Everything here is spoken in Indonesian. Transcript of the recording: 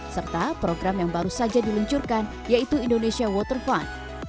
serta program yang baru saja diluncurkan yaitu indonesia waterfund